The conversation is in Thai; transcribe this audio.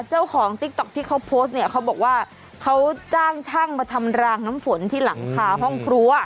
ติ๊กต๊อกที่เขาโพสต์เนี่ยเขาบอกว่าเขาจ้างช่างมาทำรางน้ำฝนที่หลังคาห้องครัว